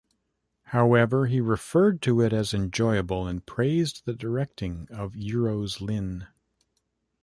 However, he referred to it as "enjoyable" and praised the directing of Euros Lyn.